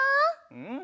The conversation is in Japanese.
うん！